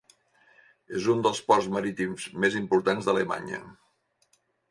És un dels ports marítims més importants d'Alemanya.